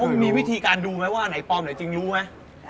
แสดงว่ามีวิธีการดูไหมว่าไหนปลอมไหนจริงรู้ไหม